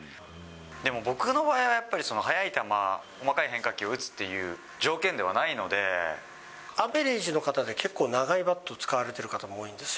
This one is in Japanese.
でも僕の場合は、やっぱり速い球、細かい変化球を打つという条件でアベレージの方で、結構、長いバットを使われてる方も多いんですよ。